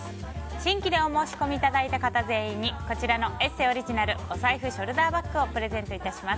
新規でお申し込みいただいた方全員にこちらの「ＥＳＳＥ」オリジナルお財布ショルダーバッグをプレゼント致します。